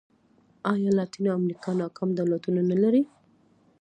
ایا لاتینه امریکا ناکام دولتونه نه لري.